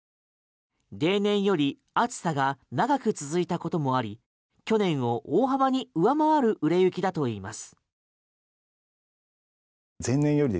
例年より暑さが長く続いたこともあり去年を大幅に上回る売れ行きだといいます。